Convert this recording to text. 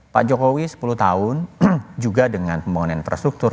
pak jokowi sepuluh tahun juga dengan pembangunan infrastruktur